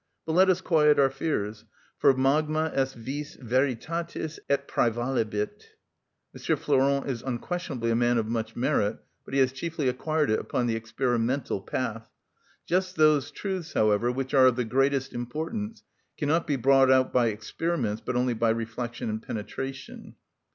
But let us quiet our fears; for magma est vis veritatis et prævalebit. M. Flourens is unquestionably a man of much merit, but he has chiefly acquired it upon the experimental path. Just those truths, however, which are of the greatest importance cannot be brought out by experiments, but only by reflection and penetration.